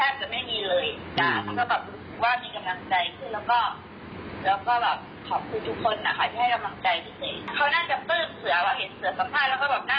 เขาน่าจะปื้มเสือว่าเห็นเสือสัมภาษณ์แล้วก็น่ารัก